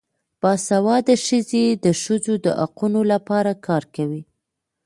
باسواده ښځې د ښځو د حقونو لپاره کار کوي.